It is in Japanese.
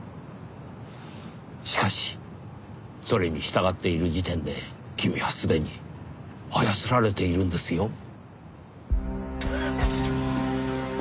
しかしそれに従っている時点で君はすでに操られているんですよ。